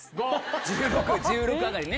１６１６上がりね。